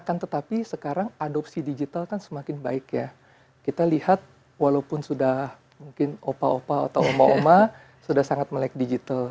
akan tetapi sekarang adopsi digital kan semakin baik ya kita lihat walaupun sudah mungkin opa opa atau oma oma sudah sangat melek digital